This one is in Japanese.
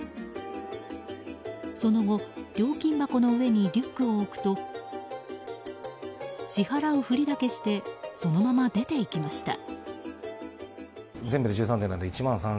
その後、料金箱の上にリュックを置くと支払うふりだけしてそのまま出て行きました。